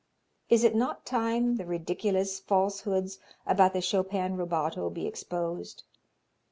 Is it not time the ridiculous falsehoods about the Chopin rubato be exposed?